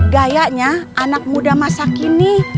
gayanya anak muda masa kini